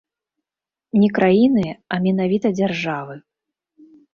Не краіны, а менавіта дзяржавы.